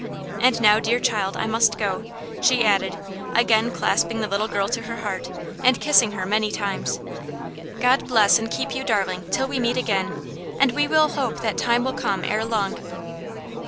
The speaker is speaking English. And now, dear child, I must go," she added, again clasping the little girl to her heart, and kissing her many times. "God bless and keep you, darling, till we meet again, and we will hope that time will come ere long."